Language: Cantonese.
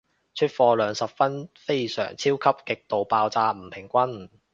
出貨量十分非常超級極度爆炸唔平均